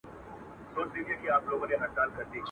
ته مي نه ویني په سترګو نه مي اورې په غوږونو.